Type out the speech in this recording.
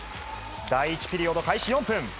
第１ピリオド、開始４分。